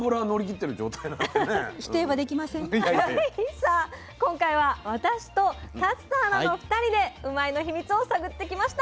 さあ今回は私と竜田アナの２人でうまいッ！のヒミツを探ってきました。